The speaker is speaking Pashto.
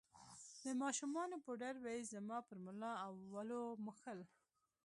د ماشومانو پوډر به يې زما پر ملا او ولو موښل.